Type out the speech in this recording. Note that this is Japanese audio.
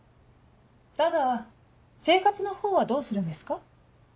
ただ生活のほうはどうするんですか？